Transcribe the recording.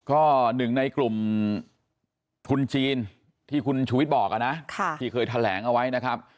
ก็หนึ่งในกลุ่มทุนจีนที่คุณชูวิทย์บอกนะที่เคยแถลงเอาไว้นะครับ